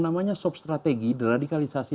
namanya soft strategi deradikalisasi